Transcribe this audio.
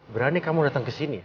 berani kamu datang kesini ya